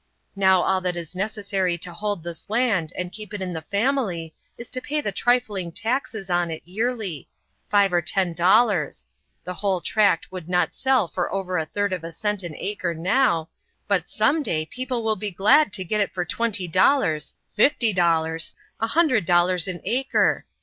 Now all that is necessary to hold this land and keep it in the family is to pay the trifling taxes on it yearly five or ten dollars the whole tract would not sell for over a third of a cent an acre now, but some day people will be glad to get it for twenty dollars, fifty dollars, a hundred dollars an acre!